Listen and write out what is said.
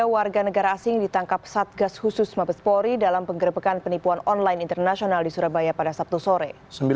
tiga warga negara asing ditangkap satgas khusus mabespori dalam penggerbekan penipuan online internasional di surabaya pada sabtu sore